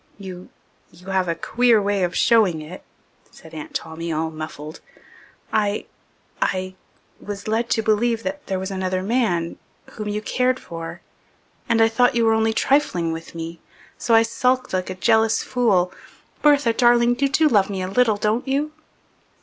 "You you have taken a queer way of showing it," said Aunt Tommy, all muffled. "I I was led to believe that there was another man whom you cared for and I thought you were only trifling with me. So I sulked like a jealous fool. Bertha, darling, you do love me a little, don't you?"